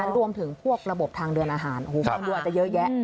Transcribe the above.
รวมถึงพวกระบบทางเดือนอาหารหัวข้างด้วยอาจจะเยอะแยะ